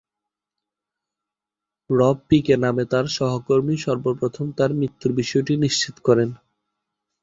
রব পিকে নামে তার সহকর্মী সর্বপ্রথম তার মৃত্যুর বিষয়টি নিশ্চিত করেন।